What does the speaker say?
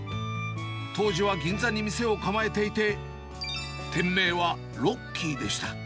当時は銀座に店を構えていて、店名はロッキーでした。